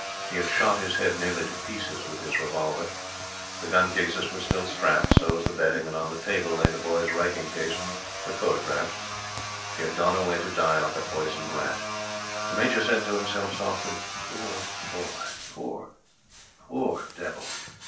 He had shot his head nearly to pieces with his revolver. The gun cases were still strapped, so was the bedding, and on the table lay The Boy's writing case with photographs. He had gone away to die like a poisoned rat! The Major said to himself softly: "Poor Boy! Poor, POOR devil!"